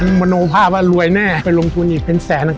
มันมโนภาพว่ารวยแน่ไปลงทุนอีกเป็นแสน